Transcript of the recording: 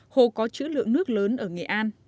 hồ có chữ lượng nước lớn ở nghệ an